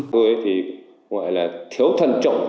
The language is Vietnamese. thứ ấy thì gọi là thiếu thần trọng